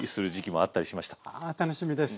あ楽しみです。